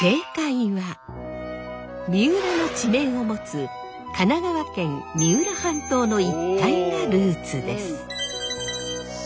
三浦の地名を持つ神奈川県三浦半島の一帯がルーツです。